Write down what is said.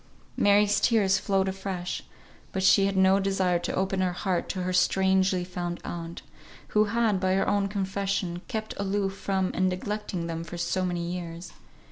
Mary's tears flowed afresh, but she had no desire to open her heart to her strangely found aunt, who had, by her own confession, kept aloof from and neglected them for so many years.